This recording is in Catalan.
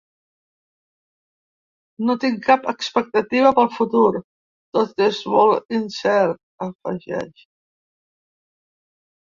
No tinc cap expectativa pel futur; tot és molt incert, afegeix.